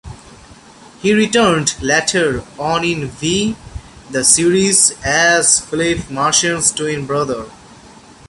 He returned later on in "V: The Series" as Philip, Martin's twin brother.